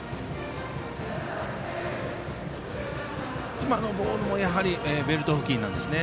今のボールもベルト付近でしたね。